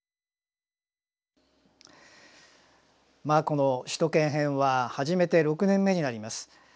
まあこの首都圏編は始めて６年目になります。